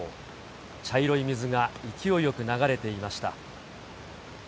茶色い水が勢いよく流れていました。